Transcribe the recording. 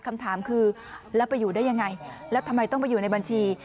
คำถามคือแล้วไปอยู่ได้ยังไงแล้วทำไมต้องไปอยู่ในบัญชี